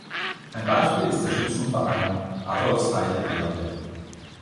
Ein Beispiel ist der Schützenverein "Adolphsheide-Vierde".